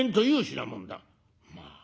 「まあ。